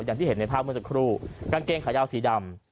อย่างที่เห็นในภาพเมื่อสักครู่กางเกงขายาวสีดำ